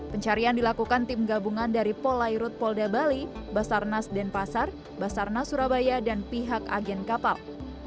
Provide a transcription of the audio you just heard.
pencarian dilakukan tim gabungan dari polairut polda bali basarnas denpasar basarnas surabaya dan pihak agen kapal